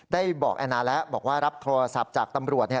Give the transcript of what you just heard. ได้บอกแอนนาแล้วบอกว่ารับโทรศัพท์จากตำรวจ